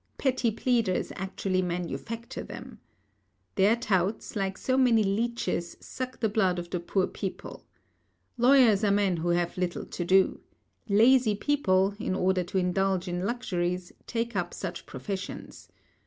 Petty pleaders actually manufacture them. Their touts, like so many leeches, suck the blood of the poor people. Lawyers are men who have little to do. Lazy people, in order to indulge in luxuries, take up such professions.